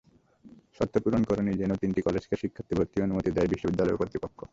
শর্ত পূরণ করেনি জেনেও তিনটি কলেজকে শিক্ষার্থী ভর্তির অনুমতি দেয় বিশ্ববিদ্যালয় কর্তৃপক্ষ।